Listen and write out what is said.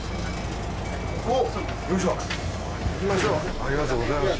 ありがとうございます。